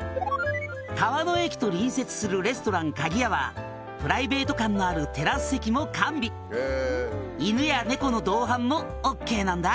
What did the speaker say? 「川越駅と隣接するレストラン鍵やはプライベート感のあるテラス席も完備」「犬や猫の同伴もＯＫなんだ」